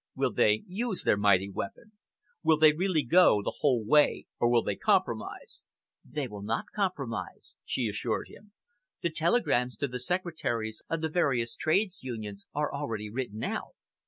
"Will they use their mighty weapon? Will they really go the whole way, or will they compromise?" "They will not compromise," she assured him. "The telegrams to the secretaries of the various Trades Unions are already written out.